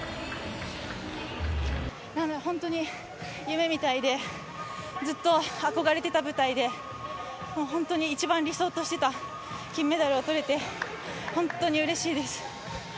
本当に夢みたいで、ずっと憧れていた舞台で、本当に一番理想としていた金メダルが取れて本当にうれしいです。